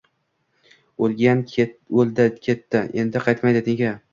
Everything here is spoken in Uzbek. O’lgan o’ldi-ketdi. Endi qaytmaydi. Nega?